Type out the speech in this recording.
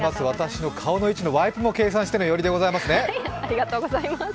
私の顔の位置のワイプも計算しての寄りでございますね。